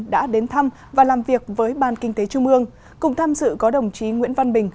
đã đến thăm và làm việc với ban kinh tế trung ương cùng tham dự có đồng chí nguyễn văn bình